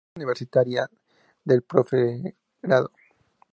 Escuela Universitaria del Profesorado.